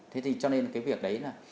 thế thì cho nên cái việc đấy là